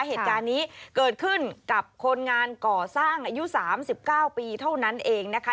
เหตุการณ์นี้เกิดขึ้นกับคนงานก่อสร้างอายุ๓๙ปีเท่านั้นเองนะคะ